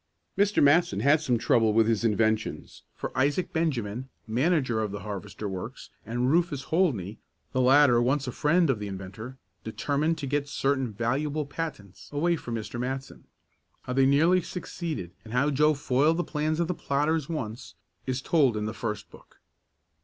Mr. Matson had some trouble with his inventions, for Isaac Benjamin, manager of the harvester works, and Rufus Holdney, the latter once a friend of the inventor, determined to get certain valuable patents away from Mr. Matson. How they nearly succeeded, and how Joe foiled the plans of the plotters once, is told in the first book.